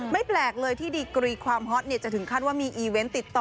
แปลกเลยที่ดีกรีความฮอตจะถึงขั้นว่ามีอีเวนต์ติดต่อ